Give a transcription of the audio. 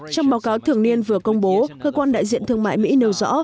trong báo cáo thường niên vừa công bố cơ quan đại diện thương mại mỹ nêu rõ